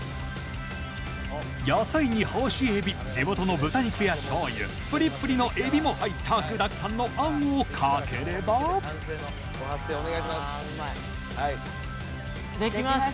野菜に干しエビ地元の豚肉やしょうゆプリップリのエビも入った具だくさんのあんをかければできました。